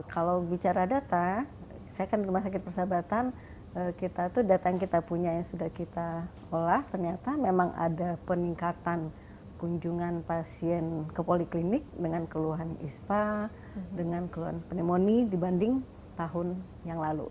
kalau bicara data saya kan di rumah sakit persahabatan kita itu data yang kita punya yang sudah kita olah ternyata memang ada peningkatan kunjungan pasien ke poliklinik dengan keluhan ispa dengan keluhan pneumonia dibanding tahun yang lalu